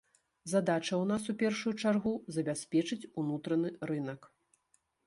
Задача ў нас у першую чаргу забяспечыць унутраны рынак.